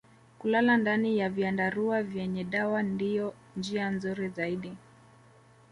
Kulala ndani ya vyandarua vyenye dawa ndiyo njia nzuri zaidi